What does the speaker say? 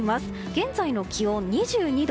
現在の気温、２２度。